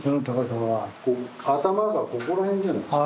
頭がここら辺じゃないですか。